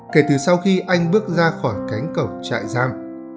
kể từ sau khi anh bước ra khỏi cánh cổng trại giam